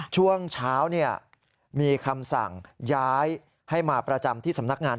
ช่วงเช้ามีคำสั่งย้ายให้มาประจำที่สำนักงาน